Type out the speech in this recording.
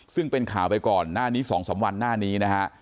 ซึ่งเป็นข่าวไปก่อนหน้านี้๒๓วันหน้านี้นะฮะ